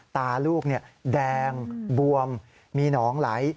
ตาลูกแดงบวมมีหนองไหล